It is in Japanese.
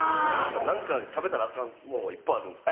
何か食べたらアカンもんがいっぱいあるんですか？